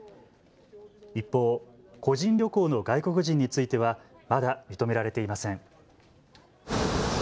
一方、個人旅行の外国人についてはまだ認められていません。